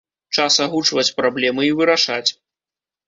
Час агучваць праблемы і вырашаць.